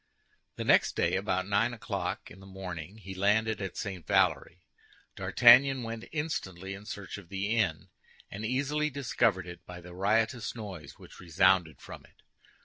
The next day about nine o'clock in the morning, he landed at St. Valery. D'Artagnan went instantly in search of the inn, and easily discovered it by the riotous noise which resounded from it.